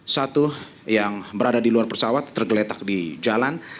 satu yang berada di luar pesawat tergeletak di jalan